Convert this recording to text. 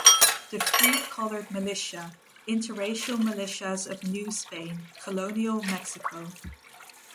The Free-Colored Militia, interracial militias of New Spain, Colonial Mexico.